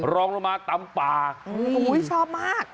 รองลงมาตำปากโอ้ยชอบมาก